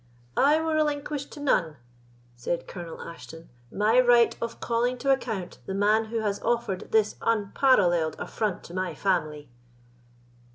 "I will relinquish to none," said Colonel Ashton, "my right of calling to account the man who has offered this unparalleled affront to my family."